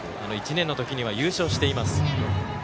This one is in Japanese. １年の時には優勝しています。